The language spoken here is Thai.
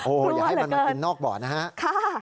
โอ้อย่าให้มันมากินนอกบ่อนนะฮะค่ะรู้ว่าเหลือเกิน